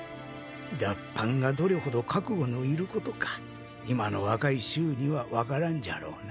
脱藩がどれほど覚悟のいることか今の若い衆には分からんじゃろうなぁ。